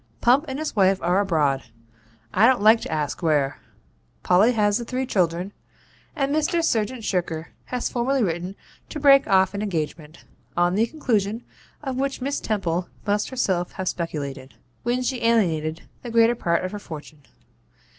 Pump and his wife are abroad I don't like to ask where; Polly has the three children, and Mr. Serjeant Shirker has formally written to break off an engagement, on the conclusion of which Miss Temple must herself have speculated, when she alienated the greater part of her fortune.